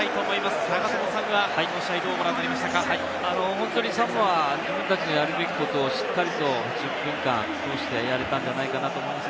本当にサモア、自分たちのやるべきことをしっかりと８０分間通してやれたんじゃないかなと思います。